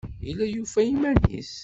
Yella yufa iman-nnes.